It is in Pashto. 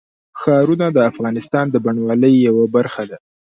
ښارونه د افغانستان د بڼوالۍ یوه برخه ده.